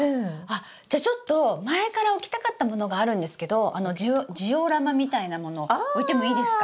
じゃちょっと前から置きたかったものがあるんですけどジオラマみたいなもの置いてもいいですか？